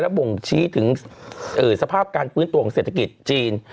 บ่งชี้ถึงสภาพการฟื้นตัวของเศรษฐกิจจีน